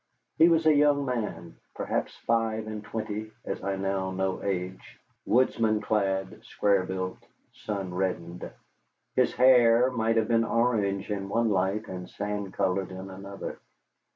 He was a young man, perhaps five and twenty as I now know age, woodsman clad, square built, sun reddened. His hair might have been orange in one light and sand colored in another.